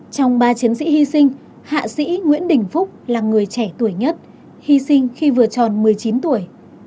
trong ba chiến sĩ hy sinh hạ sĩ nguyễn đình phúc là người trẻ tuổi nhất hy sinh khi vừa tròn một mươi chín tuổi